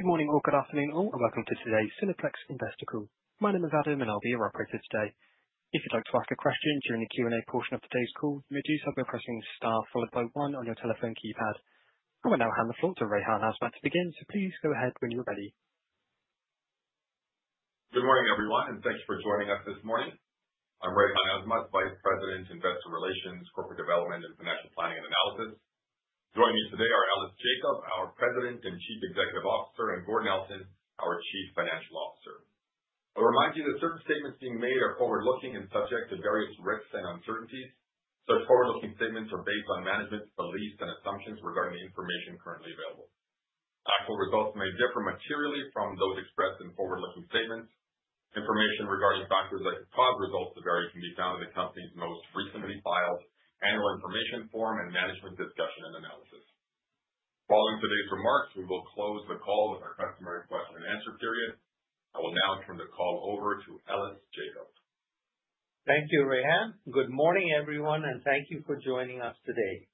Good morning or good afternoon all, and welcome to today's Cineplex Investor Call. My name is Adam, and I'll be your operator today. If you'd like to ask a question during the Q&A portion of today's call, you may do so by pressing star followed by one on your telephone keypad. I will now hand the floor to Rayhan Azmat to begin, so please go ahead when you're ready. Good morning, everyone, and thank you for joining us this morning. I'm Rayhan Azmat, Vice President, Investor Relations, Corporate Development, and Financial Planning and Analysis. Joining me today are Ellis Jacob, our President and Chief Executive Officer, and Gord Nelson, our Chief Financial Officer. I'll remind you that certain statements being made are forward-looking and subject to various risks and uncertainties. Such forward-looking statements are based on management's beliefs and assumptions regarding the information currently available. Actual results may differ materially from those expressed in forward-looking statements. Information regarding factors that could cause results to vary can be found in the company's most recently filed annual information form and management discussion and analysis. Following today's remarks, we will close the call with our customary question and answer period. I will now turn the call over to Ellis Jacob. Thank you, Rayhan. Good morning, everyone, and thank you for joining us today.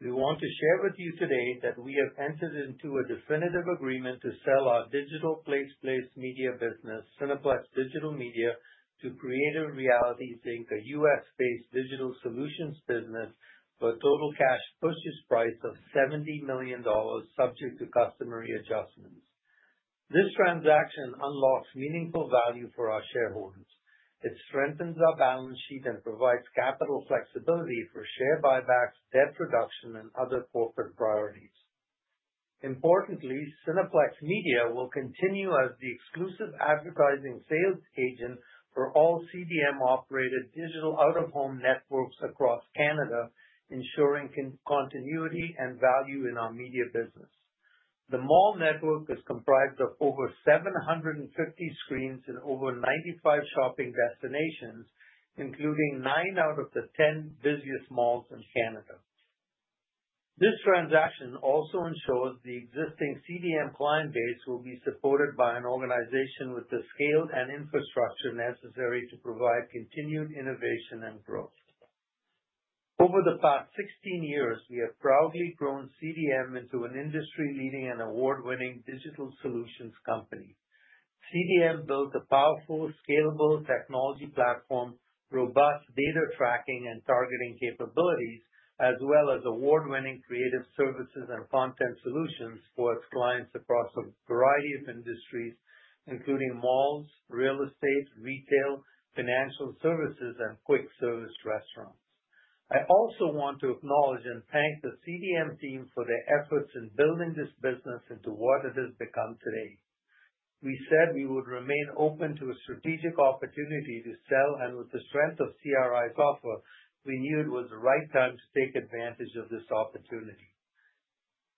We want to share with you today that we have entered into a definitive agreement to sell our digital place-based media business, Cineplex Digital Media, to Creative Realities Inc., a U.S.-based digital solutions business for a total cash purchase price of 70 million dollars, subject to customary adjustments. This transaction unlocks meaningful value for our shareholders. It strengthens our balance sheet and provides capital flexibility for share buybacks, debt reduction, and other corporate priorities. Importantly, Cineplex Media will continue as the exclusive advertising sales agent for all CDM-operated digital out-of-home networks across Canada, ensuring continuity and value in our media business. The mall network is comprised of over 750 screens in over 95 shopping destinations, including nine out of the 10 busiest malls in Canada. This transaction also ensures the existing CDM client base will be supported by an organization with the scale and infrastructure necessary to provide continued innovation and growth. Over the past 16 years, we have proudly grown CDM into an industry-leading and award-winning digital solutions company. CDM builds a powerful, scalable technology platform, robust data tracking and targeting capabilities, as well as award-winning creative services and content solutions for its clients across a variety of industries, including malls, real estate, retail, financial services, and quick-service restaurants. I also want to acknowledge and thank the CDM team for their efforts in building this business into what it has become today. We said we would remain open to a strategic opportunity to sell, and with the strength of CRI's offer, we knew it was the right time to take advantage of this opportunity.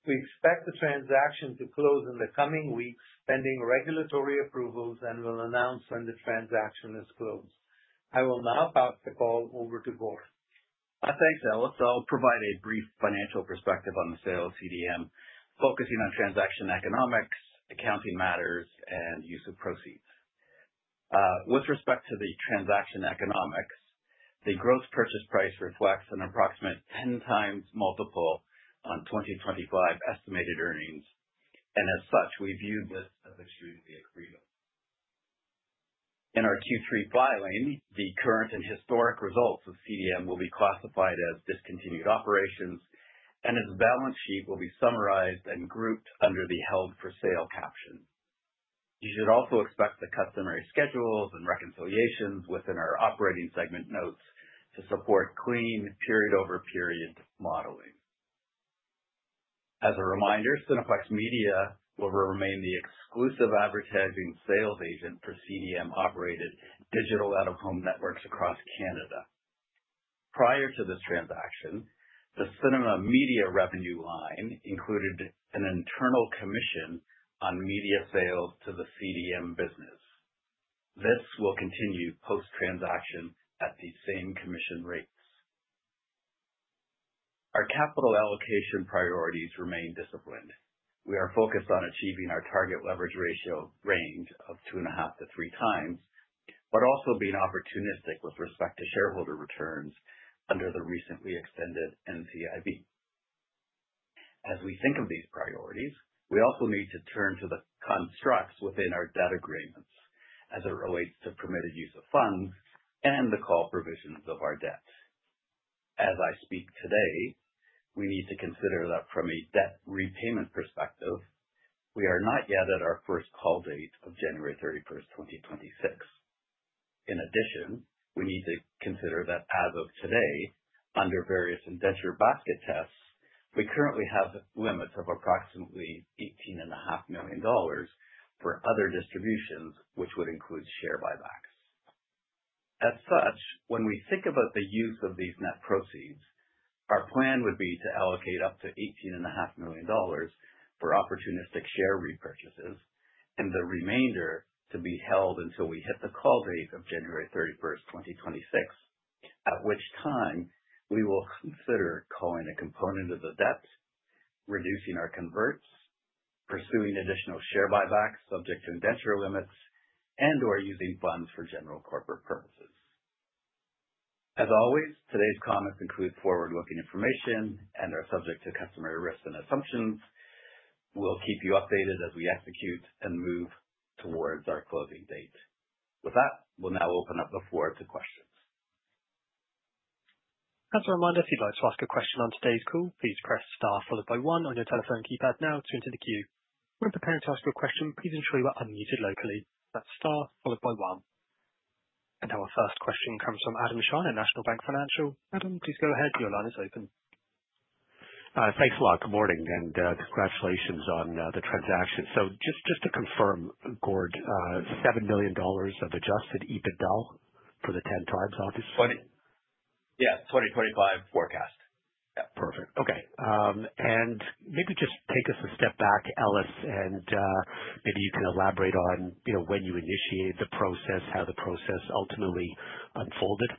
We expect the transaction to close in the coming weeks, pending regulatory approvals, and will announce when the transaction is closed. I will now pass the call over to Gord. Thanks, Ellis. I'll provide a brief financial perspective on the sale of CDM, focusing on transaction economics, accounting matters, and use of proceeds. With respect to the transaction economics, the gross purchase price reflects an approximate 10 times multiple on 2025 estimated earnings, and as such, we view this as extremely accretive. In our Q3 filing, the current and historic results of CDM will be classified as discontinued operations, and its balance sheet will be summarized and grouped under the held-for-sale caption. You should also expect the customary schedules and reconciliations within our operating segment notes to support clean period-over-period modeling. As a reminder, Cineplex Media will remain the exclusive advertising sales agent for CDM-operated digital out-of-home networks across Canada. Prior to this transaction, the cinema media revenue line included an internal commission on media sales to the CDM business. This will continue post-transaction at the same commission rates. Our capital allocation priorities remain disciplined. We are focused on achieving our target leverage ratio range of two and a half to three times, but also being opportunistic with respect to shareholder returns under the recently extended NCIB. As we think of these priorities, we also need to turn to the constructs within our debt agreements as it relates to permitted use of funds and the call provisions of our debt. As I speak today, we need to consider that from a debt repayment perspective, we are not yet at our first call date of January 31st, 2026. In addition, we need to consider that as of today, under various indenture basket tests, we currently have limits of approximately 18.5 million dollars for other distributions, which would include share buybacks. As such, when we think about the use of these net proceeds, our plan would be to allocate up to 18.5 million dollars for opportunistic share repurchases and the remainder to be held until we hit the call date of January 31st, 2026, at which time we will consider calling a component of the debt, reducing our converts, pursuing additional share buybacks subject to indenture limits, and/or using funds for general corporate purposes. As always, today's comments include forward-looking information and are subject to customary risks and assumptions. We'll keep you updated as we execute and move towards our closing date. With that, we'll now open up the floor to questions. Customer wonder if you'd like to ask a question on today's call. Please press star followed by one on your telephone keypad now to enter the queue. When preparing to ask a question, please ensure you are unmuted locally. That's star followed by one. And our first question comes from Adam Shine at National Bank Financial. Adam, please go ahead. Your line is open. Thanks a lot. Good morning, and congratulations on the transaction. So just to confirm, Gord, $7 million of Adjusted EBITDA for the 10 times obviously. Yeah, 2025 forecast. Yeah. Perfect. Okay, and maybe just take us a step back, Ellis, and maybe you can elaborate on when you initiated the process, how the process ultimately unfolded.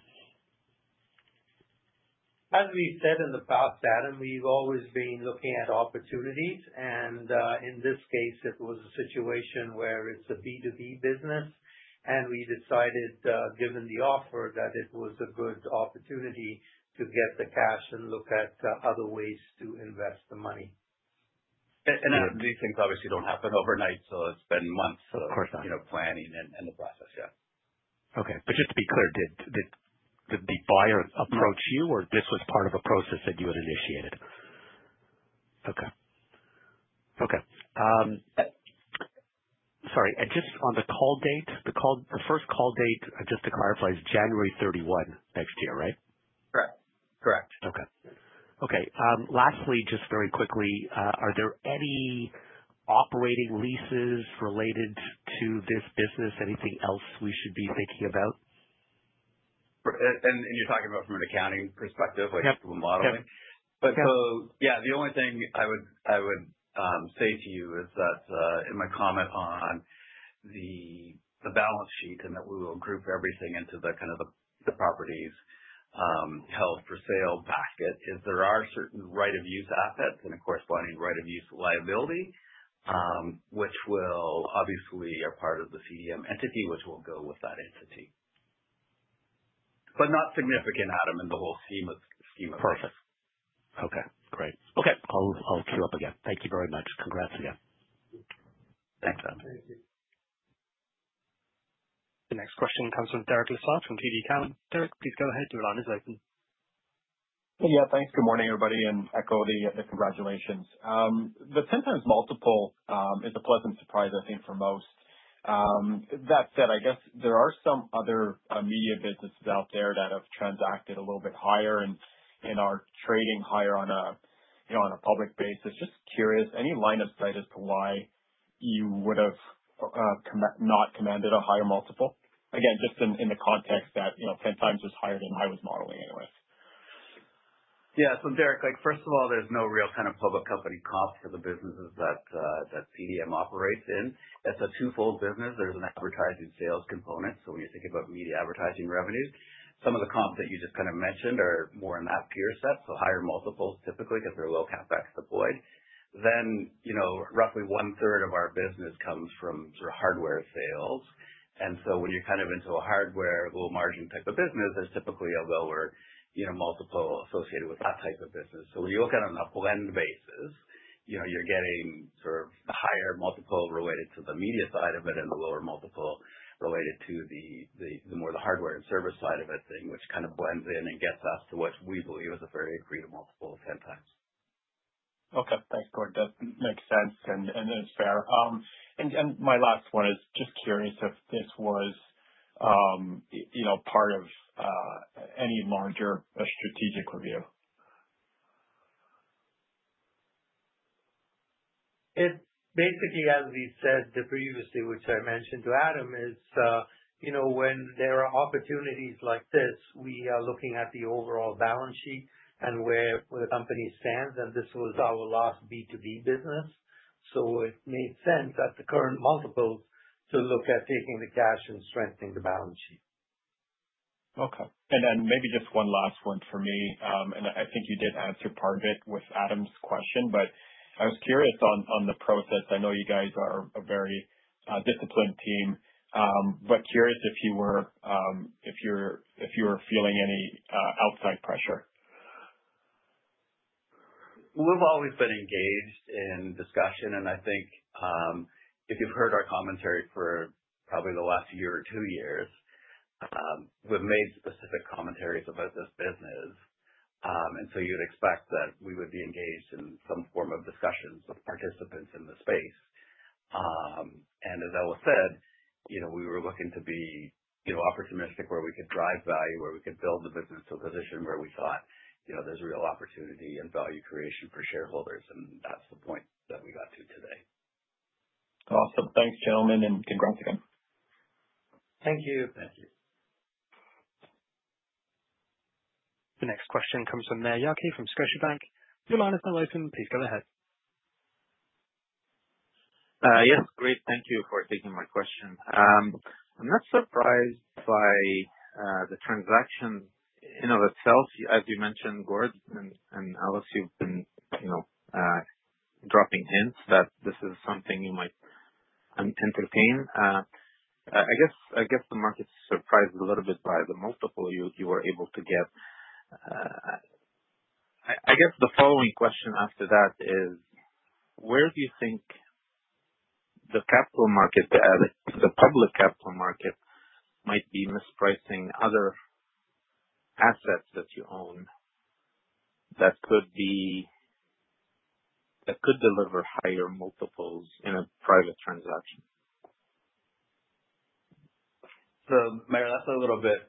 As we said in the past, Adam, we've always been looking at opportunities, and in this case, it was a situation where it's a B2B business, and we decided, given the offer, that it was a good opportunity to get the cash and look at other ways to invest the money. These things obviously don't happen overnight, so it's been months of planning and the process. Yeah. Okay. But just to be clear, did the buyer approach you, or this was part of a process that you had initiated? Okay. Okay. Sorry. And just on the call date, the first call date, just to clarify, is January 31 next year, right? Correct. Correct. Okay. Okay. Lastly, just very quickly, are there any operating leases related to this business? Anything else we should be thinking about? You're talking about from an accounting perspective, like the modeling? Yes. But yeah, the only thing I would say to you is that in my comment on the balance sheet and that we will group everything into the kind of the properties held-for-sale basket, is there are certain right-of-use assets and a corresponding right-of-use liability, which will obviously be a part of the CDM entity, which will go with that entity. But not significant, Adam, in the whole scheme of things. Perfect. Okay. Great. Okay. I'll queue up again. Thank you very much. Congrats again. Thanks, Adam. The next question comes from Derek Lessard from TD Securities. Derek, please go ahead. Your line is open. Yeah, thanks. Good morning, everybody, and echo the congratulations. The 10 times multiple is a pleasant surprise, I think, for most. That said, I guess there are some other media businesses out there that have transacted a little bit higher and are trading higher on a public basis. Just curious, any line of sight as to why you would have not commanded a higher multiple? Again, just in the context that 10 times was higher than I was modeling anyway. Yeah, so Derek, first of all, there's no real kind of public company comp for the businesses that CDM operates in. It's a twofold business. There's an advertising sales component, so when you think about media advertising revenues, some of the comps that you just kind of mentioned are more in that tier set, so higher multiples typically because they're low CapEx deployed, then roughly one-third of our business comes from sort of hardware sales, and so when you're kind of into a hardware low-margin type of business, there's typically a lower multiple associated with that type of business. So when you look at it on a blend basis, you're getting sort of a higher multiple related to the media side of it and the lower multiple related to the more of the hardware and service side of it thing, which kind of blends in and gets us to what we believe is a very accretive multiple of 10 times. Okay. Thanks, Gord. That makes sense, and it's fair. And my last one is just curious if this was part of any larger strategic review? It basically, as we said previously, which I mentioned to Adam, is when there are opportunities like this, we are looking at the overall balance sheet and where the company stands, and this was our last B2B business, so it made sense at the current multiples to look at taking the cash and strengthening the balance sheet. Okay. And then maybe just one last one for me. And I think you did answer part of it with Adam's question, but I was curious on the process. I know you guys are a very disciplined team, but curious if you were feeling any outside pressure. We've always been engaged in discussion, and I think if you've heard our commentary for probably the last year or two years, we've made specific commentaries about this business. And so you'd expect that we would be engaged in some form of discussions with participants in the space. And as Ellis said, we were looking to be opportunistic where we could drive value, where we could build the business to a position where we thought there's real opportunity and value creation for shareholders. And that's the point that we got to today. Awesome. Thanks, gentlemen, and congrats again. Thank you. Thank you. The next question comes from Maher Yaghi from Scotiabank. Your line is now open. Please go ahead. Yes. Great. Thank you for taking my question. I'm not surprised by the transaction in and of itself. As you mentioned, Gord and Ellis, you've been dropping hints that this is something you might entertain. I guess the market's surprised a little bit by the multiple you were able to get. I guess the following question after that is, where do you think the capital market, the public capital market, might be mispricing other assets that you own that could deliver higher multiples in a private transaction? So, Maher, that's a little bit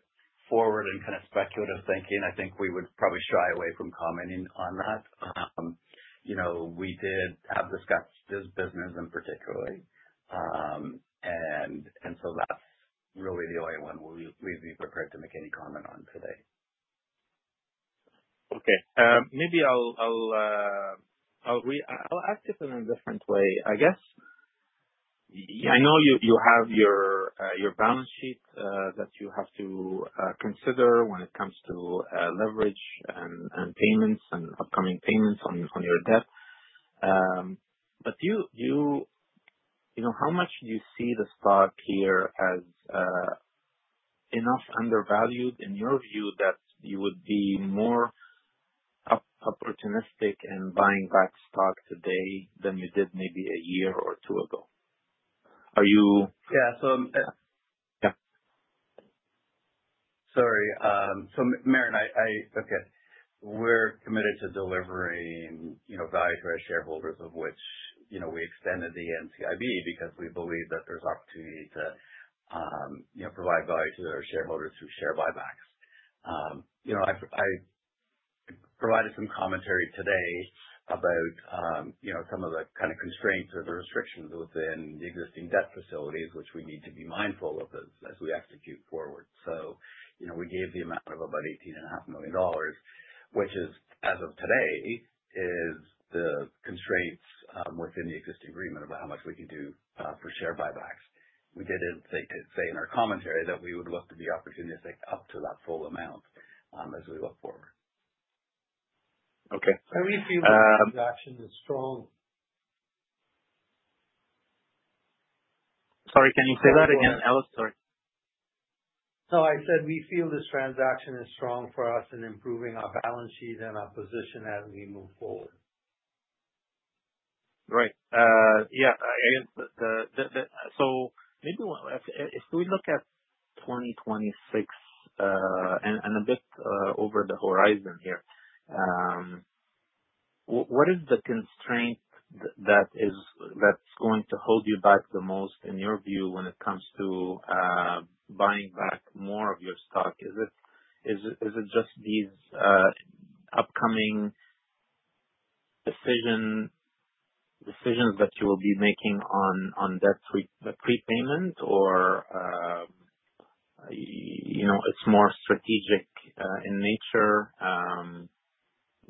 forward and kind of speculative thinking. I think we would probably shy away from commenting on that. We have discussed this business in particular, and so that's really the only one we'd be prepared to make any comment on today. Okay. Maybe I'll ask it in a different way. I guess I know you have your balance sheet that you have to consider when it comes to leverage and payments and upcoming payments on your debt. But how much do you see the stock here as enough undervalued in your view that you would be more opportunistic in buying back stock today than you did maybe a year or two ago? Are you? Yeah. So, sorry. So, Maher, okay. We're committed to delivering value to our shareholders, of which we extended the NCIB because we believe that there's opportunity to provide value to our shareholders through share buybacks. I provided some commentary today about some of the kind of constraints or the restrictions within the existing debt facilities, which we need to be mindful of as we execute forward. So we gave the amount of about 18.5 million dollars, which is, as of today, the constraints within the existing agreement about how much we can do for share buybacks. We did say in our commentary that we would look to be opportunistic up to that full amount as we look forward. Okay. We feel this transaction is strong. Sorry, can you say that again, Ellis? Sorry. No, I said we feel this transaction is strong for us in improving our balance sheet and our position as we move forward. Right. Yeah. So maybe if we look at 2026 and a bit over the horizon here, what is the constraint that's going to hold you back the most in your view when it comes to buying back more of your stock? Is it just these upcoming decisions that you will be making on debt repayment, or it's more strategic in nature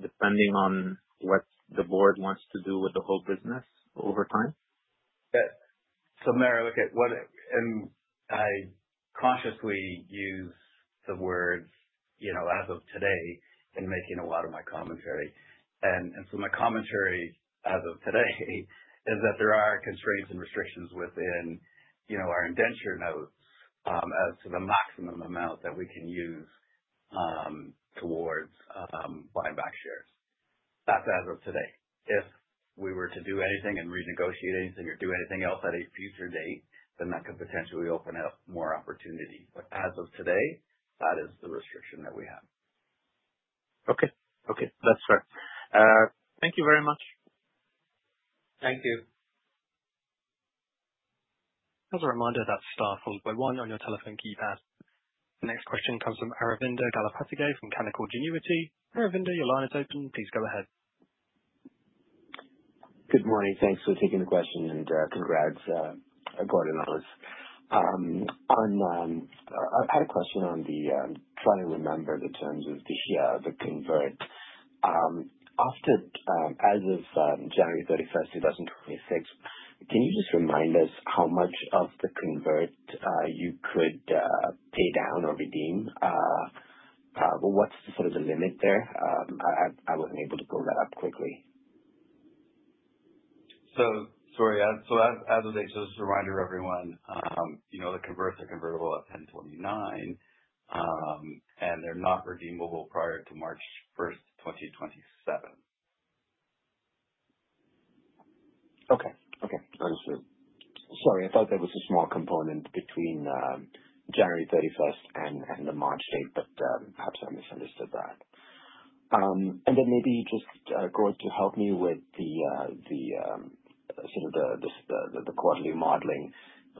depending on what the board wants to do with the whole business over time? So, Maher, look at what I consciously use the words as of today in making a lot of my commentary. And so my commentary as of today is that there are constraints and restrictions within our indenture notes as to the maximum amount that we can use towards buying back shares. That's as of today. If we were to do anything and renegotiate anything or do anything else at a future date, then that could potentially open up more opportunity. But as of today, that is the restriction that we have. Okay. Okay. That's fair. Thank you very much. Thank you. As a reminder, that's star followed by one on your telephone keypad. The next question comes from Aravinda Galappatthige from Canaccord Genuity. Aravinda, your line is open. Please go ahead. Good morning. Thanks for taking the question, and congrats, Gord and Ellis. I had a question on the trying to remember the terms of the Series B convert. As of January 31st, 2026, can you just remind us how much of the convert you could pay down or redeem? What's sort of the limit there? I wasn't able to pull that up quickly. So sorry. So as of today, just a reminder to everyone, the converts are convertible at 1029, and they're not redeemable prior to March 1st, 2027. Okay. Okay. Understood. Sorry. I thought there was a small component between January 31st and the March date, but perhaps I misunderstood that. And then maybe just, Gord, to help me with sort of the quarterly modeling,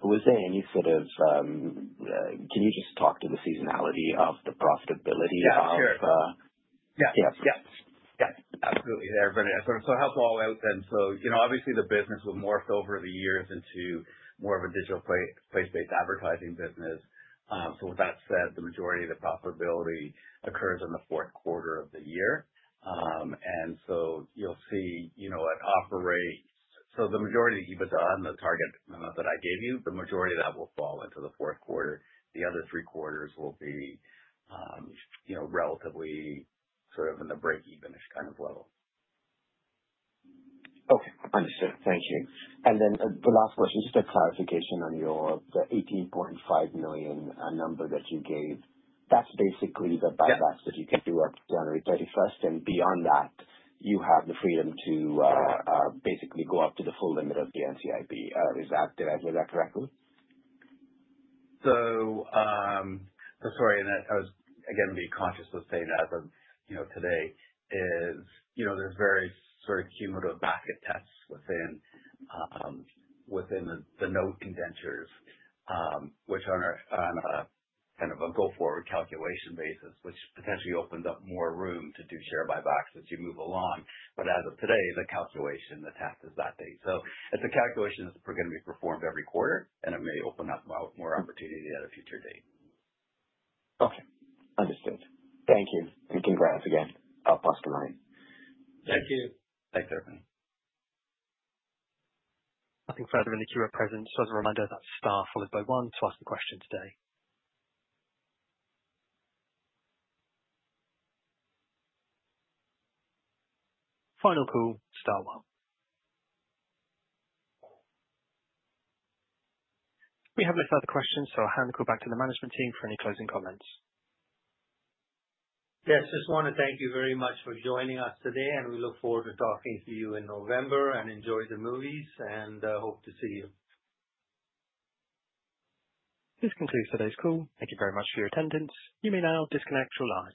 was there any sort of? Can you just talk to the seasonality of the profitability of? Yeah. Sure. Yeah. Yeah. Absolutely. Everybody, I sort of so help all out then, so obviously the business will morph over the years into more of a digital place-based advertising business, so with that said, the majority of the profitability occurs in the fourth quarter of the year, and so you'll see at operate so the majority that you put on the target amount that I gave you, the majority of that will fall into the fourth quarter. The other three quarters will be relatively sort of in the break-even-ish kind of level. Okay. Understood. Thank you. And then the last question, just a clarification on the 18.5 million number that you gave. That's basically the buybacks that you can do up to January 31st. And beyond that, you have the freedom to basically go up to the full limit of the NCIB. Is that correct? So sorry. And I was, again, being conscious of saying that as of today, is there's various sort of cumulative basket tests within the note indentures, which are on a kind of a go-forward calculation basis, which potentially opens up more room to do share buybacks as you move along. But as of today, the calculation, the test is that date. So it's a calculation that's going to be performed every quarter, and it may open up more opportunity at a future date. Okay. Understood. Thank you. And congrats again. I'll pass the line. Thank you. Thanks, everyone. Nothing further in the queue at present. So as a reminder, that's star followed by one to ask the question today. Final call, star one. We have no further questions, so I'll hand the call back to the management team for any closing comments. Yes. Just want to thank you very much for joining us today, and we look forward to talking to you in November, and enjoy the movies and hope to see you. This concludes today's call. Thank you very much for your attendance. You may now disconnect your line.